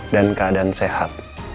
dan keadaan sehat